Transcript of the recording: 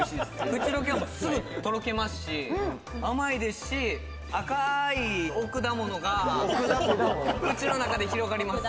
口どけ、すぐとろけますし、甘いですし、赤いお果物が口の中で広がります。